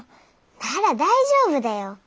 なら大丈夫だよ。